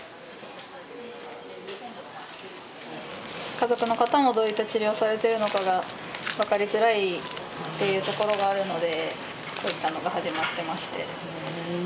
家族の方もどういった治療をされてるのかが分かりづらいっていうところがあるのでこういったのが始まってまして。